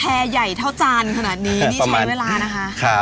ใหญ่เท่าจานขนาดนี้นี่ใช้เวลานะคะ